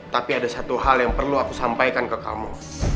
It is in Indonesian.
tapi ada satu hal yang perlu aku sampaikan ke kamu